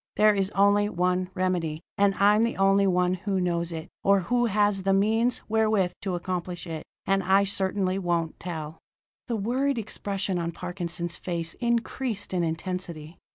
There is only one remedy; and I'm the only one who knows it, or who has the means wherewith to accomplish it. And I certainly won't tell!" The worried expression on Parkinson's face increased in intensity.